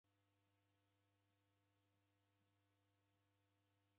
Uo nio mshapa wa maza rose.